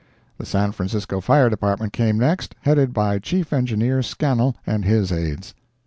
The San Francisco Fire Department came next, headed by Chief Engineer Scannell and his Aides...